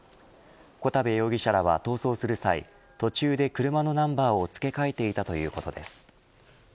小田部容疑者らは逃走する際途中で車のナンバーを付け替えていたということです。